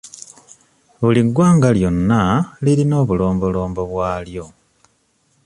Buli ggwanga lyonna lirina obulombolombo bwalyo.